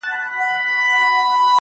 دومره کمزوری يم له موټو نه چي زور غورځي